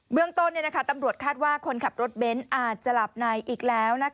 เรื่องต้นตำรวจคาดว่าคนขับรถเบนท์อาจจะหลับในอีกแล้ว